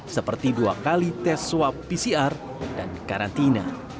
seperti dua kali tes swab pcr dan karantina